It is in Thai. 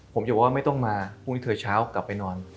ผมจะบอกว่าไม่ต้องมาพรุ่งนี้เธอเช้ากลับไปนอน